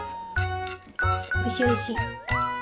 おいしいおいしい。